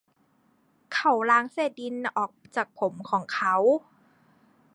เขาล้างเศษดินออกจากผมของเขา